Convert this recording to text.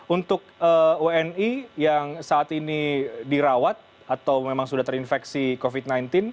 untuk wni yang saat ini dirawat atau memang sudah terinfeksi covid sembilan belas